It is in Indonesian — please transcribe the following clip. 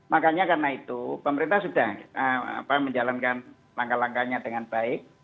makanya karena itu pemerintah sudah menjalankan langkah langkahnya dengan baik